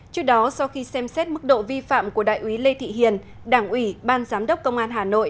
trước đó sau khi xem xét mức độ vi phạm của đại úy lê thị hiền đảng ủy ban giám đốc công an hà nội